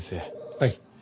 はい。